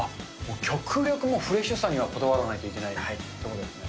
極力もうフレッシュさにはこだわらないといけないということですね。